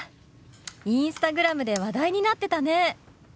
Ｉｎｓｔａｇｒａｍで話題になってたね。